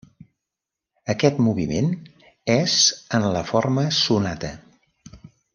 Aquest moviment és en la forma sonata.